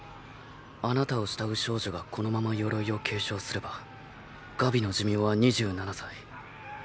あなたを慕う少女がこのまま「鎧」を継承すればガビの寿命は２７歳。